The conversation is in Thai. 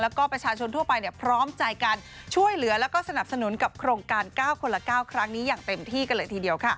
แล้วก็ประชาชนทั่วไปพร้อมใจกันช่วยเหลือแล้วก็สนับสนุนกับโครงการ๙คนละ๙ครั้งนี้อย่างเต็มที่กันเลยทีเดียว